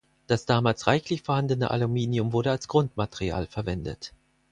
Das damals reichlich vorhandene Aluminium wurde als Grundmaterial verwendet.